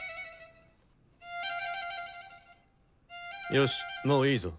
よしもういいぞ。